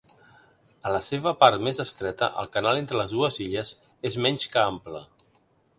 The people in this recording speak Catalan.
A la seva part més estreta, el canal entre les dues illes és menys que ample.